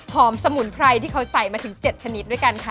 สมุนไพรที่เขาใส่มาถึง๗ชนิดด้วยกันค่ะ